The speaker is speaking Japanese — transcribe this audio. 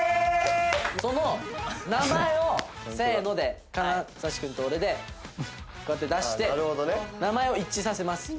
その名前をせーので金指君と俺でこうやって出して名前を一致させます。